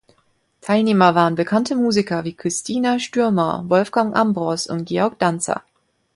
Teilnehmer waren bekannte Musiker wie Christina Stürmer, Wolfgang Ambros und Georg Danzer.